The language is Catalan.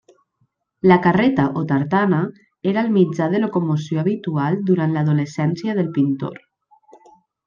La carreta o tartana era el mitjà de locomoció habitual durant l'adolescència del pintor.